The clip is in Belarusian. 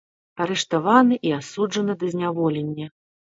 Арыштаваны і асуджаны да зняволення.